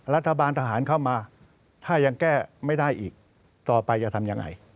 รัฐบาลทหารเข้ามาถ้ายังแก้ไม่ได้อีกต่อไปจะทำยังไง